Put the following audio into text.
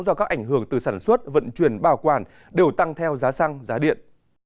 do các ảnh hưởng từ sản xuất vận chuyển bảo quản đều tăng theo giá xăng giá điện